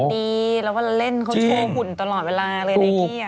บทดีแล้วว่าเล่นเขาโชว์หุ่นตลอดเวลาเลยในกี้อะ